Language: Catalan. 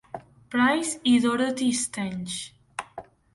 Price i Dorothy Stange.